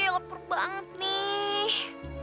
laper banget nih